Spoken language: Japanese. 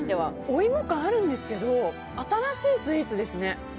お芋感あるんですけど新しいスイーツですね。